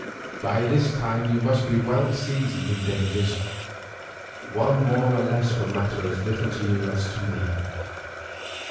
By this time you must be well seasoned in dangers; one more or less will matter as little to you as to me."